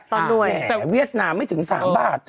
ต้นด้วยแต่เวียดนามไม่ถึง๓บาทเธอ